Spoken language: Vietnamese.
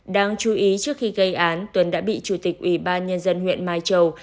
đáng chú ý trước khi gây án tuấn đã bị chủ tịch ủy ban nhân dân huyện mai châu